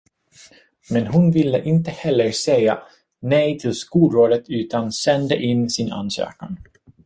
Men hon ville inte heller säga nej till skolrådet utan sände in sin ansökan.